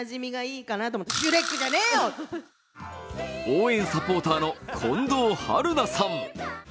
応援サポーターの近藤春菜さん。